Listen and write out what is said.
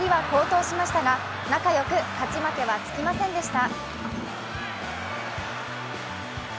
仲良し２人は好投しましたが仲良く勝ち負けはつきませんでした。